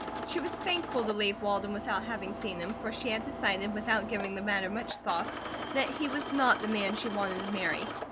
She was thankful to leave Walden without having seen him, for she had decided, without giving the matter much thought, that he was not the man she wanted to marry.